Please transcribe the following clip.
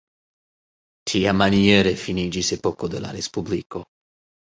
Tiamaniere finiĝis epoko de la respubliko.